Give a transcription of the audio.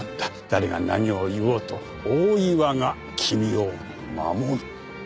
誰が何を言おうと大岩が君を守る。